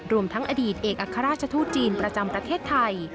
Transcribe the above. รวมทั้งอดีตเอกอัครราชทูตจีนประจำประเทศไทย